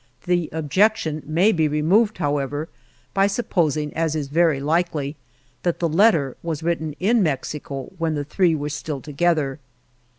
The objection may be re moved, however, by supposing, as is very likely, that the Letter was writen in Mex ico, when the three w r ere still together.